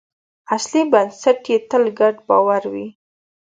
اصلي بنسټ یې تل ګډ باور وي.